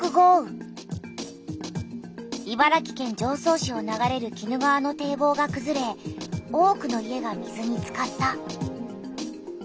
茨城県常総市を流れる鬼怒川の堤防がくずれ多くの家が水につかった。